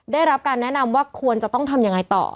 ได้รับการแนะนำว่าควรจะต้องทำยังไงต่อ